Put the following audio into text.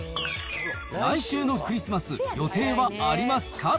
来週のクリスマス、予定はありますか？